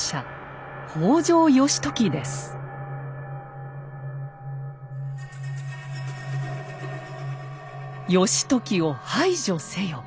「義時を排除せよ」。